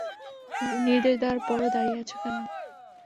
নির্দেশ দেওয়ার পরও দাঁড়িয়ে আছো কেন?